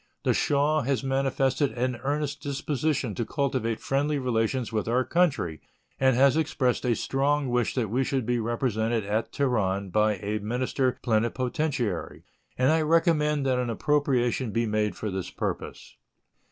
The Shah has manifested an earnest disposition to cultivate friendly relations with our country, and has expressed a strong wish that we should be represented at Teheran by a minister plenipotentiary; and I recommend that an appropriation be made for this purpose.